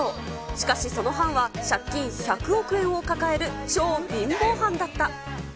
しかしその藩は、借金１００億円を抱える超ビンボー藩だった。